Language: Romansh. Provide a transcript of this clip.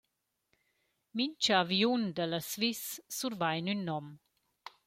Mincha aviun da la «Swiss» survain ün nom.